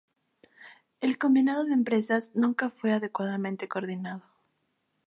El combinado de empresas nunca fue adecuadamente coordinado.